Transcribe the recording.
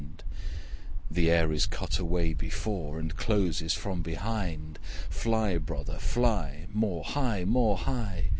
Second Voice 'The air is cut away before, And closes from behind. Fly, brother, fly! more high, more high!